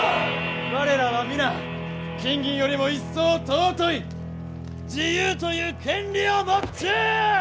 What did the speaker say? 我らは皆金銀よりも一層尊い自由という権利を持っちゅう！